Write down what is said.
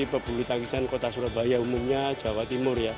pebulu tangkisan kota surabaya umumnya jawa timur ya